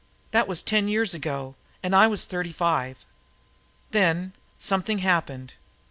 That was ten years ago and I was thirty five. Then something happened.